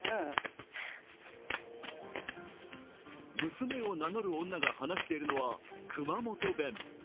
娘を名乗る女が話しているのは熊本弁。